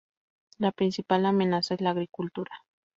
La principal amenaza es la agricultura.